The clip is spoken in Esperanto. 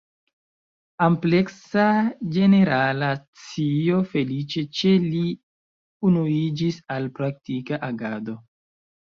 Ampleksa ĝenerala scio feliĉe ĉe li unuiĝis al praktika agado.